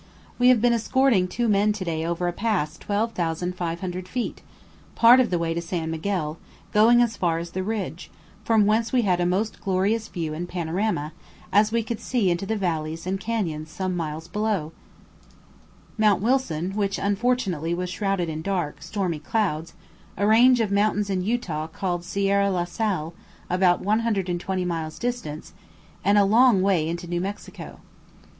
We have been escorting two men to day over a pass 12,500 feet, part of the way to San Miguel, going as far as the ridge, from whence we had a most glorious view and panorama, as we could see into the valleys and canyons some miles below; Mount Wilson, which unfortunately was shrouded in dark, stormy clouds; a range of mountains in Utah called Sierra la Sal, about 120 miles distant; and a long way into New Mexico.